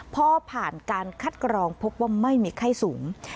พอผ่านการคัดกรองพบว่าไม่มีไข้สูง